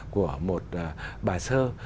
của một bà sơ